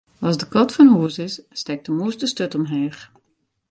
As de kat fan hûs is, stekt de mûs de sturt omheech.